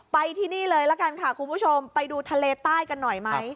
ไปที่นี่เลยละกันค่ะคุณผู้ชมไปดูทะเลใต้กันหน่อยไหม